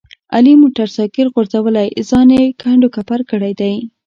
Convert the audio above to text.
علي موټر سایکل غورځولی ځان یې کنډ کپر کړی دی.